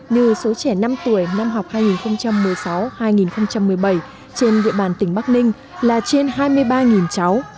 như số trẻ năm tuổi năm học hai nghìn một mươi sáu hai nghìn một mươi bảy trên địa bàn tỉnh bắc ninh là trên hai mươi ba cháu